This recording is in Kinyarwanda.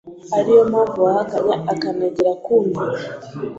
ari nayo mpamvu wahakanye akanagira kumvira